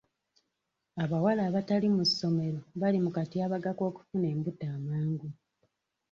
Abawala abatali mu ssomero bali mu katyabaga k'okufuna embuto amangu.